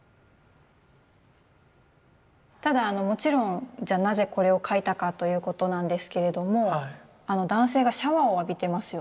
ただもちろんじゃなぜこれを描いたかということなんですけれども男性がシャワーを浴びてますよね。